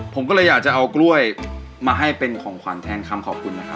ผมก็เลยอยากจะเอากล้วยมาให้เป็นของขวัญแทนคำขอบคุณนะครับ